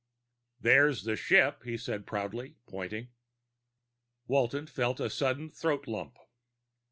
"There's the ship," he said proudly, pointing. Walton felt a sudden throat lump.